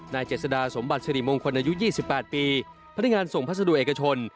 นายเจษดาสมบัติศรีมงค์คนอายุยี่สิบแปดปีพนักงานส่งพัสดุเอกชน